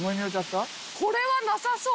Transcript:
これはなさそう。